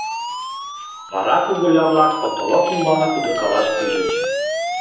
Вара куголя-влак потолок ӱмбалне удыркалаш пижыч.